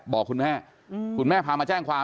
บอกคุณแม่คุณแม่พามาแจ้งความ